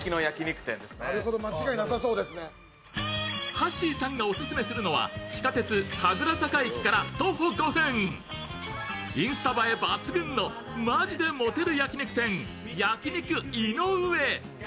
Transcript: はっしーさんがオススメするのは地下鉄神楽坂駅から徒歩５分、インスタ映え抜群のマヂでモテる焼肉店、焼肉いのうえ。